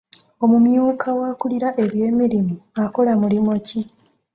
Omumyuka w'akulira eby'emirimu akola mulimu ki?